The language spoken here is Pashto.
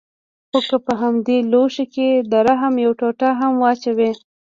خو که په همدې لوښي کښې د رحم يوه ټوټه هم واچوې.